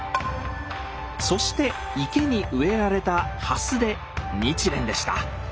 そして池に植えられた「蓮」で「日蓮」でした。